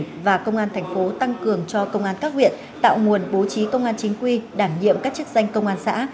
và công an thành phố tăng cường cho công an các huyện tạo nguồn bố trí công an chính quy đảm nhiệm các chức danh công an xã